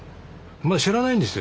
まだ知らないんですよ